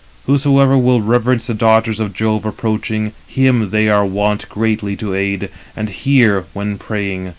318 Whosoever will reverence the daughters of Jove approaching, him they are wont greatly to aid, and hear when praying.